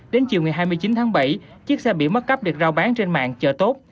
đến chiều ngày hai mươi chín tháng bảy chiếc xe bị mất cắp được rào bán trên mạng chờ tốt